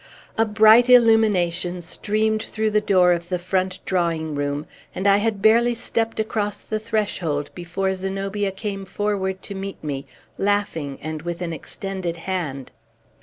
A bright illumination streamed through, the door of the front drawing room; and I had barely stept across the threshold before Zenobia came forward to meet me, laughing, and with an extended hand.